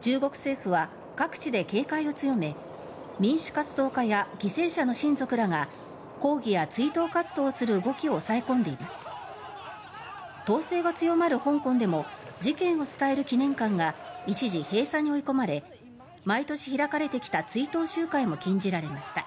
中国政府は、各地で警戒を強め民主活動家や犠牲者の親族らが抗議や追悼活動する動きを抑え込んでいます。統制が強まる香港でも事件を伝える記念館が一時、閉鎖に追い込まれ毎年開かれてきた追悼集会も禁じられました。